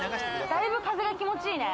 だいぶ風が気持ち良いね。